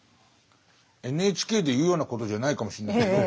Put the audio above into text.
ＮＨＫで言うようなことじゃないかもしんないんだけど。